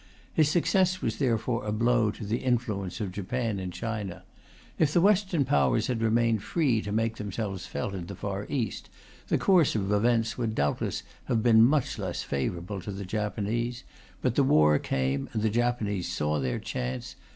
His success was therefore a blow to the influence of Japan in China. If the Western Powers had remained free to make themselves felt in the Far East, the course of events would doubtless have been much less favourable to the Japanese; but the war came, and the Japanese saw their chance.